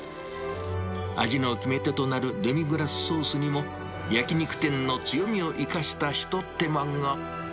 味の決め手となるデミグラスソースにも、焼き肉店の強みを生かした一手間が。